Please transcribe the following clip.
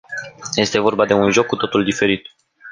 Este vorba de un joc cu totul diferit.